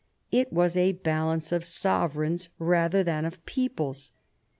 It was a balance of sovereigns rather than of peoples.